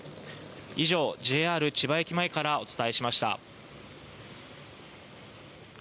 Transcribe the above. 以上、ＪＲ千葉駅前からお伝えしました。